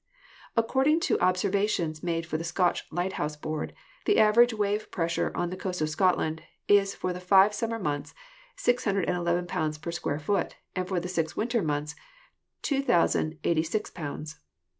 According to observations made for the Scotch Lighthouse Board, the average wave pressure on the coast of Scotland is for the five summer months 611 pounds per square foot and for six winter months 2,086 pounds.